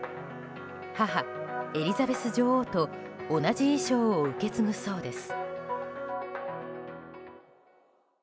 母エリザベス女王と同じ衣装を受け継ぐそうです。